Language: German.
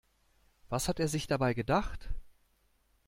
Was hat er sich dabei gedacht?